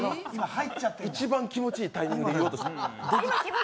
一番気持ちいいタイミングで言おうとしてる。